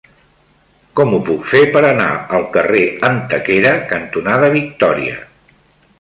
Com ho puc fer per anar al carrer Antequera cantonada Victòria?